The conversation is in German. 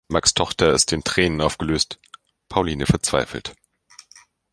Max’ Tochter ist in Tränen aufgelöst, Pauline verzweifelt.